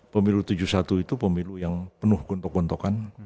pemilu seribu sembilan ratus tujuh puluh satu itu pemilu yang penuh gontok gontokan